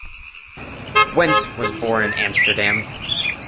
Went was born in Amsterdam.